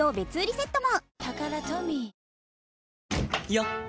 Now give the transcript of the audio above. よっ！